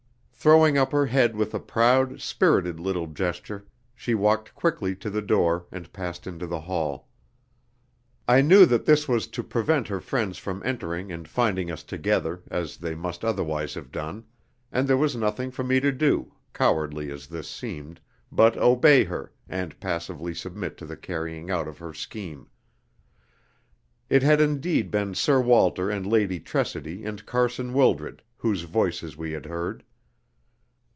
Throwing up her head with a proud, spirited little gesture, she walked quickly to the door, and passed into the hall. I knew that this was to prevent her friends from entering and finding us together, as they must otherwise have done; and there was nothing for me to do (cowardly as this seemed) but obey her, and passively submit to the carrying out of her scheme. It had indeed been Sir Walter and Lady Tressidy and Carson Wildred whose voices we had heard.